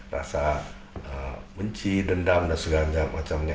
rasa benci dendam dan segala macamnya